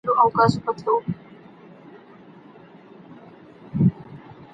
د فراغت سند په ناسمه توګه نه رهبري کیږي.